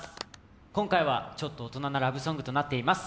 今回はちょっと大人なラブソングとなっています